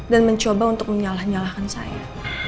dan mencoba untuk menyalah nyalahkan saya